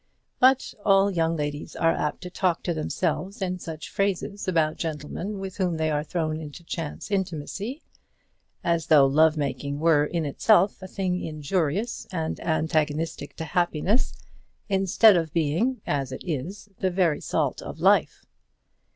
But all young ladies are apt to talk to themselves in such phrases about gentlemen with whom they are thrown into chance intimacy; as though love making were in itself a thing injurious and antagonistic to happiness, instead of being, as it is, the very salt of life.